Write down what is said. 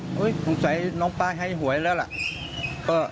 คงใส่ทำให้น้องป้ายให้หวยแล้วละ